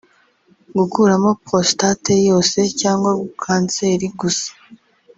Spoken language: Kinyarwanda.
gukuramo prostate yose cyangwa kanseri gusa